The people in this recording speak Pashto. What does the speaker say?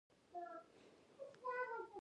استاد د زده کوونکي د باور دریځ لري.